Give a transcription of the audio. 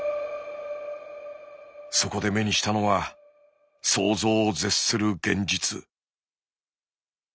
そこで目にしたのは想像を絶する現実。